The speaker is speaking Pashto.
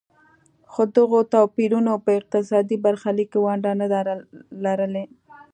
خو دغو توپیرونو په اقتصادي برخلیک کې ونډه نه ده لرلې.